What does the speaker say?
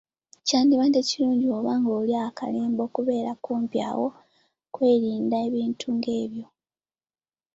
Kyadibadde kirungi bw’oba ng’olya akalemba kakubeere kumpi awo olw’okwerinda ebintu ng’ebyo.